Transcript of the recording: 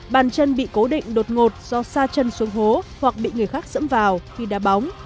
bàn chân bị cố định đột ngột do xa chân xuống hố hoặc bị người khác dẫm vào khi đá bóng